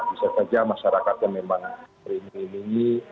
bisa saja masyarakat yang memang remi remi